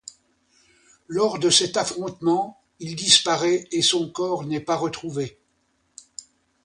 Lors de cet affrontement, il disparaît et son corps n'est pas retrouvé.